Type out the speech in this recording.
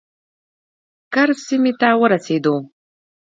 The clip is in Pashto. کرز سیمې ته ورسېدو.